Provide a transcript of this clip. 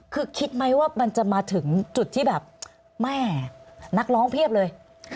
คือคิดไหมว่ามันจะมาถึงจุดที่แบบแม่นักร้องเพียบเลย